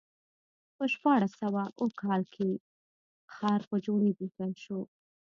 په شپاړس سوه اووه کال کې ښار په جوړېدو پیل شو.